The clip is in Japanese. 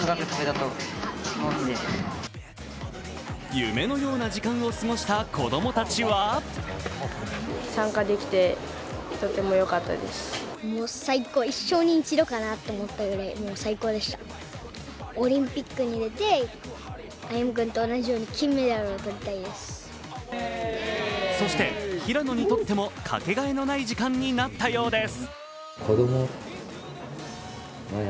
夢のような時間を過ごした子供たちはそして、平野にとってもかけがえのない時間になったようです。